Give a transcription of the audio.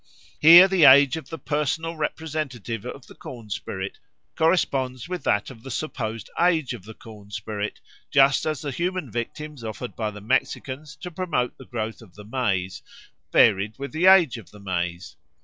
Here the age of the personal representative of the corn spirit corresponds with that of the supposed age of the corn spirit, just as the human victims offered by the Mexicans to promote the growth of the maize varied with the age of the maize.